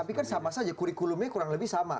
tapi kan sama saja kurikulumnya kurang lebih sama